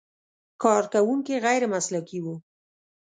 کارکوونکي غیر مسلکي و.